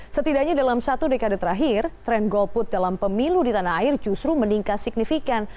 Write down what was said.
setidaknya dalam satu dekade terakhir tren golput dalam pemilu di tanah air justru meningkat signifikan